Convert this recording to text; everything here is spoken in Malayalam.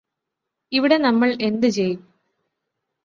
ഇവിടെ നമ്മള് എന്തു ചെയ്യും